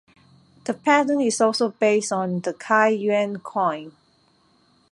The pattern is also based on the Kai Yuan coin.